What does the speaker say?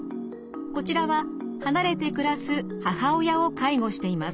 こちらは離れて暮らす母親を介護しています。